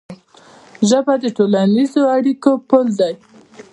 ژبه د ټولنیزو اړیکو پل دی.